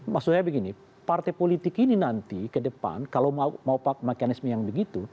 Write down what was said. maksud saya begini partai politik ini nanti ke depan kalau mau mekanisme yang begitu